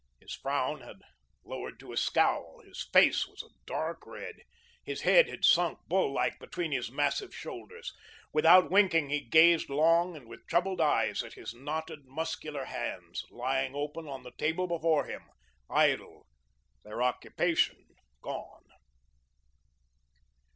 His frown had lowered to a scowl, his face was a dark red, his head had sunk, bull like, between his massive shoulders; without winking he gazed long and with troubled eyes at his knotted, muscular hands, lying open on the table before him, idle, their occupation gone.